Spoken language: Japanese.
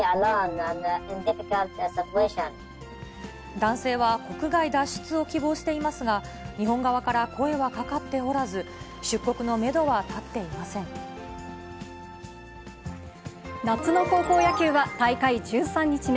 男性は、国外脱出を希望していますが、日本側から声はかかっておらず、夏の高校野球は大会１３日目。